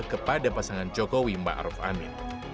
kepada pasangan jokowi maruf amin